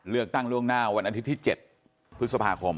เลือกตั้งล่วงหน้าวันอาทิตย์ที่๗พฤษภาคม